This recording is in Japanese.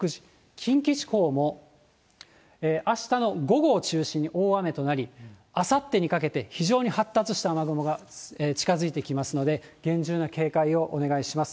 近畿地方も、あしたの午後を中心に大雨となり、あさってにかけて、非常に発達した雨雲が近づいてきますので、厳重な警戒をお願いします。